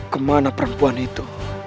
kemana perempuan itu